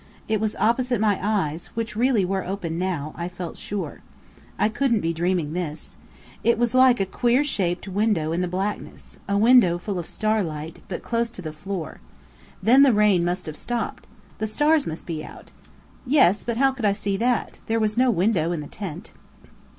It was opposite my eyes, which really were open now, I felt sure. I couldn't be dreaming this. It was like a queer shaped window in the blackness, a window full of starlight, but close to the floor. Then the rain must have stopped. The stars must be out. Yes, but how could I see that? There was no window in the tent.